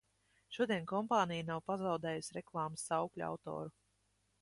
Šodien kompānija nav pazaudējusi reklāmas saukļu autoru.